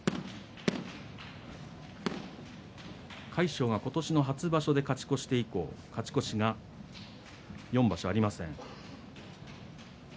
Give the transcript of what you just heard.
魁勝は、今年の初場所で勝ち越して以降勝ち越しが４場所、ありません。